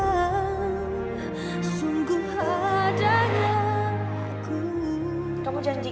enggak pastinya sungguh adanya aku untuk diberi hati